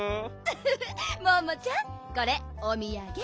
フフフッモンモちゃんこれおみやげ。